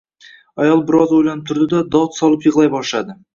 Ayol bir oz o‘ylanib turdi-da, dod solib yig‘lay boshladi.